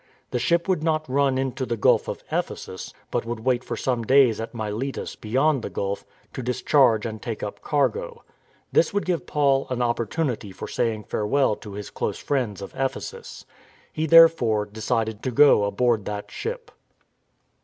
The ship would not run into the Gulf of Ephesus, but would wait for some days at Miletus beyond the Gulf, to discharge and take up cargo. This would give Paul an opportunity for saying farewell to his close friends of Ephesus. He, therefore, decided to go aboard that ship.